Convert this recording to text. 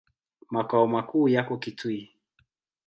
Makao makuu yako Kitui.